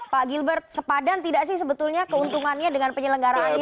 pak gilbert sepadan tidak sih sebetulnya keuntungannya dengan penyelenggaraan